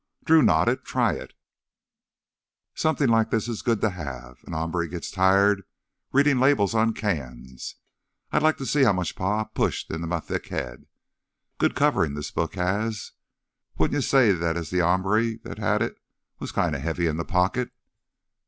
Drew nodded. "Try it ..." "Somethin' like this is good t' have. A hombre gits tired readin' labels on cans. I'd like to see how much Pa pushed into m' thick head. Good coverin' this book has. Wouldn't you say as th' hombre that had it was kinda heavy in th' pocket?"